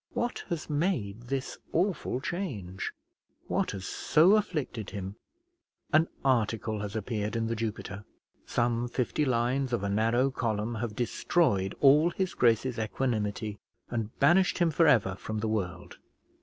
What has made this awful change? what has so afflicted him? An article has appeared in The Jupiter; some fifty lines of a narrow column have destroyed all his grace's equanimity, and banished him for ever from the world.